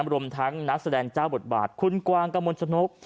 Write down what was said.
รวมทั้งนักแสดงเจ้าบทบาทคุณกวาร์งกับมันท์ชนพ